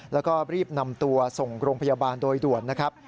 แล้วก็รีบนำตัวส่งโรงพยาบาลโดยด่วนนะครับ